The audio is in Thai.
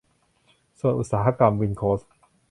สวนอุตสาหกรรม วินโคสท์